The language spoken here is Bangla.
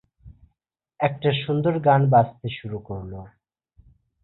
একটা সুন্দর গান বাজতে শুরু করলো।